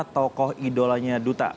tokoh idolanya duta